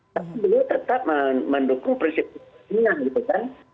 tapi beliau tetap mendukung prinsip prinsipnya gitu kan